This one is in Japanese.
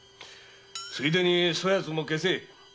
ついでにそやつも消せ。